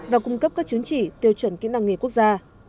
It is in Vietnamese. và cung cấp các chứng chỉ tiêu chuẩn kỹ năng nghề quốc gia